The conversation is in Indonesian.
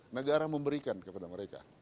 negara memberikan kepada mereka